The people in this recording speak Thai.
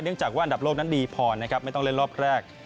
จากว่าอันดับโลกนั้นดีพอนะครับไม่ต้องเล่นรอบแรก